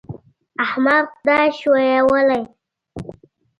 احمد خدای ښويولی دی.